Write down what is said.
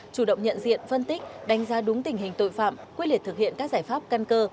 chủ động nhận diện phân tích đánh giá đúng tình hình tội phạm quyết liệt thực hiện các giải pháp căn cơ